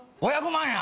５００万や！